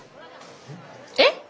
えっ！？